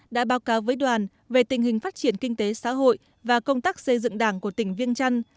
đã báo cáo với đoàn về tình hình phát triển kinh tế xã hội và công tác xây dựng đảng của tỉnh viêng trăn